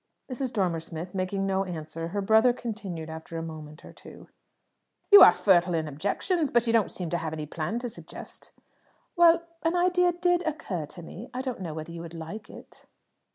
Mrs. Dormer Smith making no answer, her brother continued, after a moment or two "You are fertile in objections, but you don't seem to have any plan to suggest." "Well, an idea did occur to me. I don't know whether you would like it."